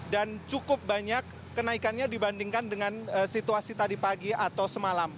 dan cukup banyak kenaikannya dibandingkan dengan situasi tadi pagi atau semalam